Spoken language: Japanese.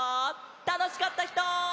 たのしかったひと！